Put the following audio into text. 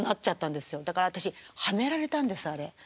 だから私はめられたんですあれ。